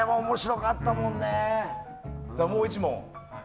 もう１問。